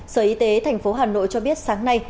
sở y tế thành phố hà nội cho biết sáng nay